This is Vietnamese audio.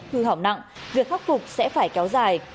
hư hỏng nặng việc khắc phục sẽ phải kéo dài